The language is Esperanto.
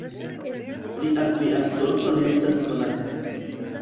Lia plia sorto ne estas konata.